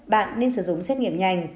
bạn nên sử dụng xét nghiệm nhanh